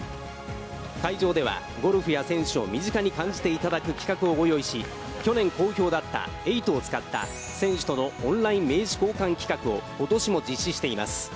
会場では、ゴルフや選手を身近に感じていただく企画をご用意し、去年好評だった「Ｅｉｇｈｔ」を使った「選手とのオンライン名刺交換」企画をことしも実施しています。